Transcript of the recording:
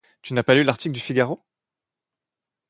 Tu n'as pas lu l'article du Figaro?